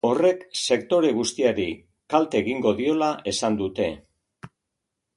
Horrek sektore guztiari kalte egingo diola esan dute.